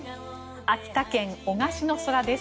秋田県男鹿市の空です。